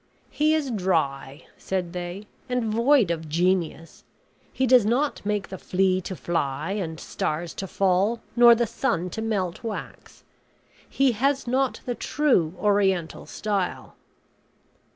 "He is dry," said they, "and void of genius; he does not make the flea to fly, and stars to fall, nor the sun to melt wax; he has not the true Oriental style."